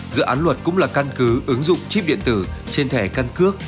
dự án luật cũng là căn cứ ứng dụng chip điện tử trên thẻ căn cước